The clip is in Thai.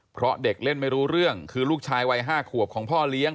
เพราะเด็กเล่นไม่รู้เรื่องคือลูกชายวัย๕ขวบของพ่อเลี้ยง